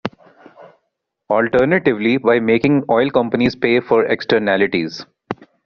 Alternatively, by making oil companies pay for externalities.